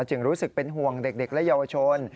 จึงรู้สึกเป็นห่วงเด็กและเยาวชน